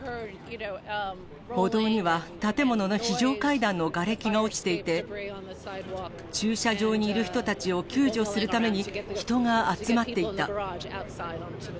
歩道には建物の非常階段のがれきが落ちていて、駐車場にいる人たちを救助するために人が集まっていた。